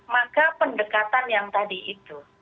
maka pendekatan yang tadi itu